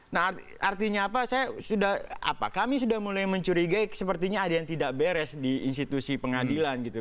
nah artinya apa saya sudah apa kami sudah mulai mencurigai sepertinya ada yang tidak beres di institusi pengadilan gitu